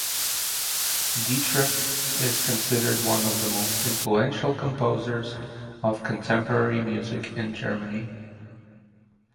Dittrich is considered one of the most influential composers of contemporary music in Germany.